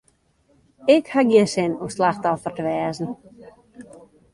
Ik haw gjin sin om slachtoffer te wêze.